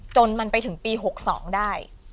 จนมันไปถึงปี๖๒ได้